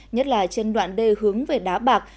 nhất là trên đoạn đê hướng về đá bạc